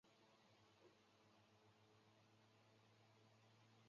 弘治十一年戊午科解元。